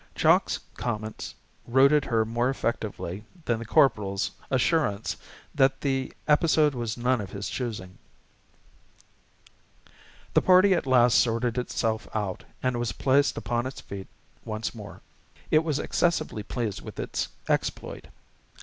Jock's comments routed her more effectively than the Corporal's assurance that the episode was none of his choosing. The party at last sorted itself out and was placed upon its feet once more. It was excessively pleased with its exploit.